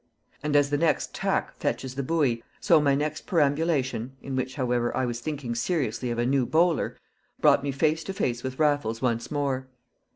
And as the next tack fetches the buoy, so my next perambulation (in which, however, I was thinking seriously of a new bowler) brought me face to face with Raffles once more.